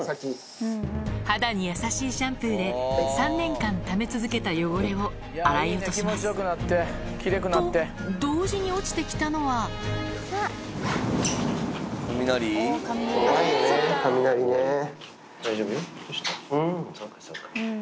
肌に優しいシャンプーで３年間ため続けた汚れを洗い落としますと同時に落ちて来たのは大丈夫ようんそっかそっか。